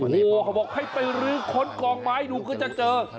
โหเขาบอกให้ไปลื้อค้นกล่องไม้หนูก็จะเจอ